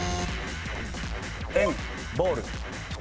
円ボール。